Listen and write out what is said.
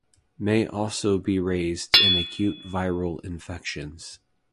May also be raised in acute viral infections.